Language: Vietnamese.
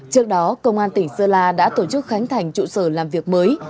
trước đó công an tỉnh sơn la đã tổ chức khánh thành trụ sở làm việc mới